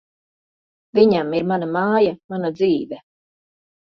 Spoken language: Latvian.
Viņam ir mana māja, mana dzīve.